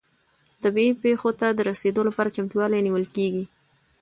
طبیعي پیښو ته د رسیدو لپاره چمتووالی نیول کیږي.